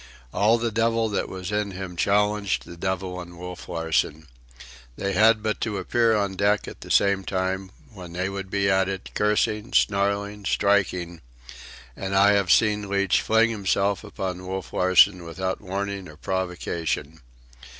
All the devil that was in him challenged the devil in Wolf Larsen. They had but to appear on deck at the same time, when they would be at it, cursing, snarling, striking; and I have seen Leach fling himself upon Wolf Larsen without warning or provocation.